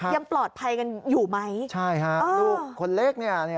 ยังปลอดภัยกันอยู่ไหมใช่ฮะลูกคนเล็กเนี่ย